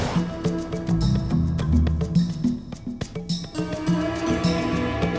tumbalnya itu biasanya keluarga dekat